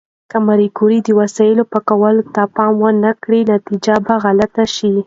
که ماري کوري د وسایلو پاکوالي ته پام ونه کړي، نتیجه به غلطه شي.